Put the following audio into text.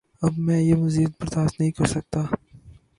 اب میں یہ مزید برداشت نہیں کرسکتا